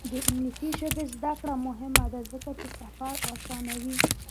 د انګلیسي ژبې زده کړه مهمه ده ځکه چې سفر اسانوي.